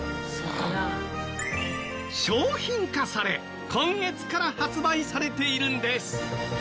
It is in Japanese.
商品化され今月から発売されているんです。